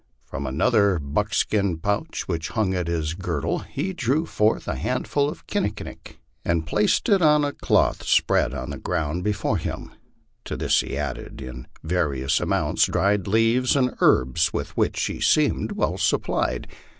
From another buck skin pouch w4iich hung at his girdle he drew forth a handful of kinnikinic, and 240 MY LIFE OX THE PLAINS. placed it on a cloth spread on the ground before him ; to this he added, in va rious amounts, dried leaves and herbs, with which he seemed well supplied.